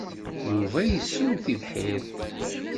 Yuba yessew tibḥirt.